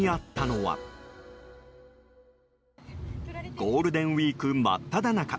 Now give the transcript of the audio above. ゴールデンウィーク真っただ中